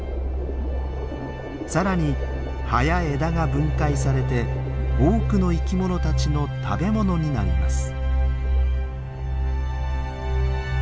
さらに葉や枝が分解されて多くの生き物たちの食べ物になります。